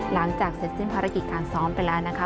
หลังจากเสร็จสิ้นภารกิจการซ้อมไปแล้วนะคะ